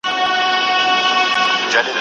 چي يې زړونه سوري كول د سركښانو